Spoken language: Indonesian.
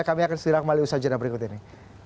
kami akan segera kembali ke usaha jurnal berikut ini